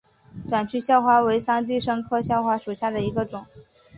短序鞘花为桑寄生科鞘花属下的一个种。